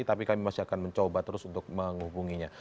tapi kami masih akan mencoba terus untuk menghubunginya